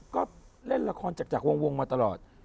ก็เล่นละครจากวงมาตลอด